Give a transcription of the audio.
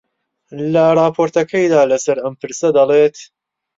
لە ڕاپۆرتەکەیدا لەسەر ئەم پرسە دەڵێت: